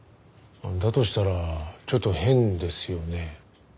だとしたらちょっと変ですよね。